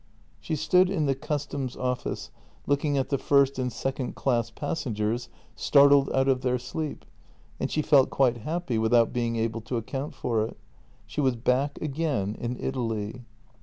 She stood in the customs office looking at the first and sec ond class passengers startled out of their sleep, and she felt quite happy without being able to account for it. She was back again in Italy.